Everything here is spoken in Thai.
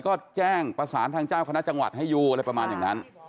ก็แจ้งประสานทางเจ้าคณะจังหวัดให้อยู่อะไรประมาณอย่างนั้น